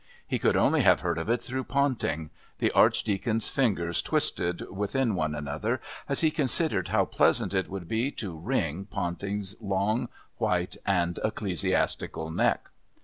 He could only have heard of it through Ponting.... The Archdeacon's fingers twisted within one another as he considered how pleasant it would be to wring Ponting's long, white and ecclesiastical neck.